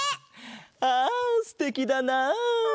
ああすてきだな。